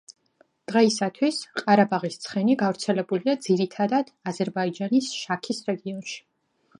დღეისათვის, ყარაბაღის ცხენი გავრცელებულია, ძირითადად, აზერბაიჯანის შაქის რეგიონში.